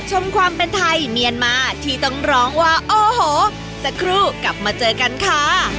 ชมความเป็นไทยเมียนมาที่ต้องร้องว่าโอ้โหสักครู่กลับมาเจอกันค่ะ